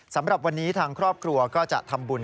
สำหรับวันนี้ทางครอบครัวก็จะทำบุญ